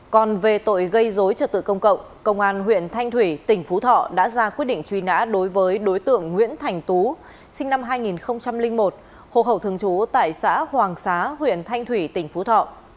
còn về tội gây dối trật tự công cộng công an huyện thanh thủy tỉnh phú thọ đã ra quyết định truy nã đối với đối tượng nguyễn thành tú sinh năm hai nghìn một hồ khẩu thường trú tại xã hoàng xá huyện thanh thủy tỉnh phú thọ